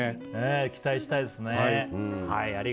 期待したいですね。